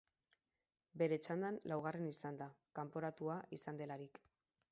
Bere txandan laugarren izan da, kanporatua izan delarik.